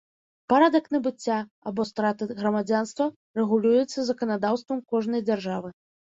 Парадак набыцця або страты грамадзянства рэгулюецца заканадаўствам кожнай дзяржавы.